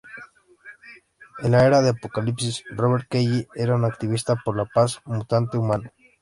En la "Era de Apocalipsis", Robert Kelly era un activista por la paz mutante-humano.